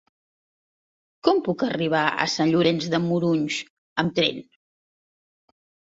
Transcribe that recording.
Com puc arribar a Sant Llorenç de Morunys amb tren?